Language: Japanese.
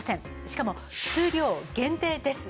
しかも数量限定です。